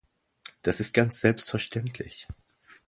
Das ist ganz selbstverständlich.